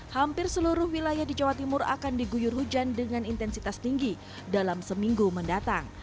hampir seluruh wilayah di jawa timur akan diguyur hujan dengan intensitas tinggi dalam seminggu mendatang